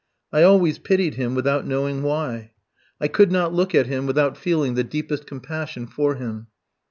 I always pitied him without knowing why. I could not look at him without feeling the deepest compassion for him.